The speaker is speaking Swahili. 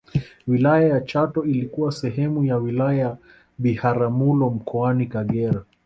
wilaya ya chato ilikuwa sehemu ya wilaya ya biharamulo mkoani kagera